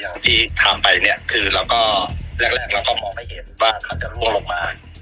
อย่างที่ทำไปเราก็แรกมองไม่เห็นว่ามันจะรั่วลงมา